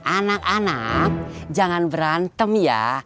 anak anak jangan berantem ya